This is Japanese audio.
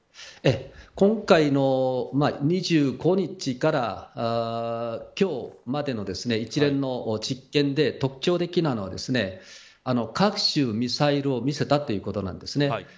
今回の２５日から今日までの一連の実験で特徴的なのは各種ミサイルを見せたということなんです。